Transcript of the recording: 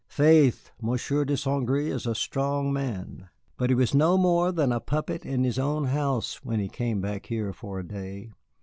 Faith, Monsieur de St. Gré is a strong man, but he was no more than a puppet in his own house when he came back here for a day.